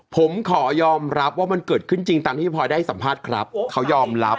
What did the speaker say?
ผมขอยอมรับว่ามันเกิดขึ้นจริงตามที่พี่พลอยได้สัมภาษณ์ครับเขายอมรับ